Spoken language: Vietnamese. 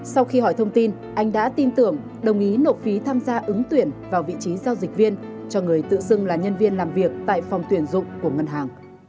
sau khi hỏi thông tin anh đã tin tưởng đồng ý nộp phí tham gia ứng tuyển vào vị trí giao dịch viên cho người tự xưng là nhân viên làm việc tại phòng tuyển dụng của ngân hàng